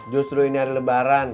justru ini hari lebaran